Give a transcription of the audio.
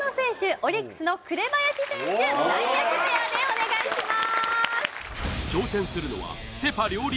オリックスの紅林選手内野手ペアでお願いします